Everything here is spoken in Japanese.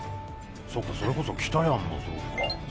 そうかそれこそ北やんもそうか。